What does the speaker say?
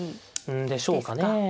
うんでしょうかね。